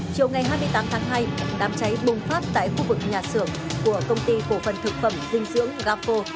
chiều ngày hai mươi tám tháng hai đám cháy bùng phát tại khu vực nhà xưởng của công ty cổ phần thực phẩm dinh dưỡng gapo